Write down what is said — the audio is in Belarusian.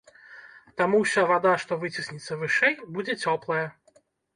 Таму ўся вада, што выціснецца вышэй, будзе цёплая.